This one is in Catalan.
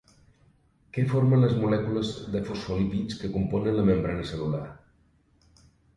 Què formen les molècules de fosfolípids que componen la membrana cel·lular?